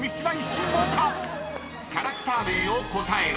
［キャラクター名を答えろ］